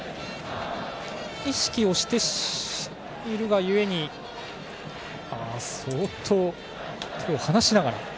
意識をしているがゆえに相当手を離しながら。